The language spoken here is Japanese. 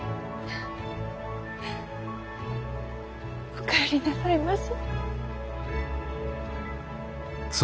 お帰りなさいまし。